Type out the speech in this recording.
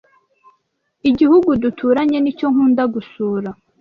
igihugu duturanye nicyo nkunda gusura